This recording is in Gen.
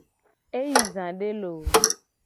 E yi zade loo.